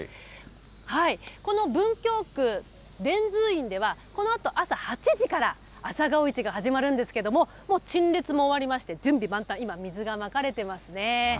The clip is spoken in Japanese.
この文京区・傳通院では、このあと朝８時から、朝顔市が始まるんですけども、もう陳列も終わりまして、準備万端、今、水がまかれてますね。